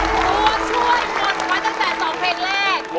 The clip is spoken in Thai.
โทรช่วยหมดไว้ตั้งแต่๒เพจแรก